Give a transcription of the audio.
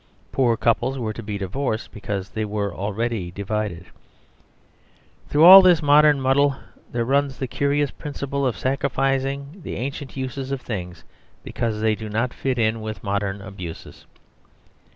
Poor couples were to be divorced because they were already divided. Through all this modern muddle there runs the curious principle of sacrificing the ancient uses of things because they do not fit in with the modern abuses.